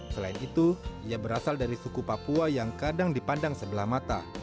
selain itu ia berasal dari suku papua yang kadang dipandang sebelah mata